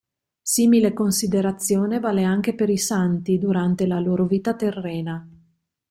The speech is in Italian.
Simile considerazione vale anche per i santi durante la loro vita terrena.